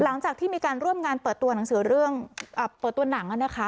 หลังจากที่มีการร่วมงานเปิดตัวหนังสือเรื่องเปิดตัวหนังนะคะ